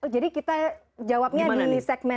jadi kita jawabnya di segmen yang kedua aja ya